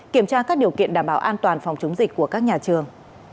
kiểm tra các điều kiện đảm bảo an toàn phòng chống dịch của các nhà trường